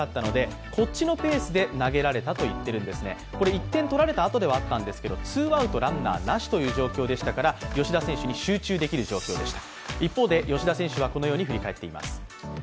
１点取られたあとではあったんですが、ツーアウト・ランナーなしという状況でしたから吉田選手に集中できる状態でした。